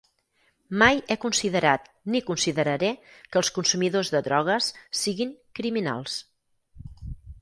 Mai he considerat ni consideraré que els consumidors de drogues siguin "criminals".